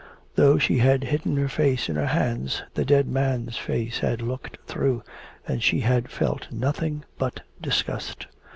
Though she had hidden her face in her hands, the dead man's face had looked through, and she had felt nothing but disgust.